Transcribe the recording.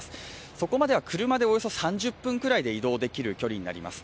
そこまでは車でおよそ３０分くらいで移動できる距離になります。